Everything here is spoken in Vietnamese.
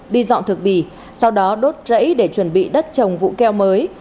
đi dọn thực bì sau đó đốt rẫy để chuẩn bị đất trồng vụ keo mới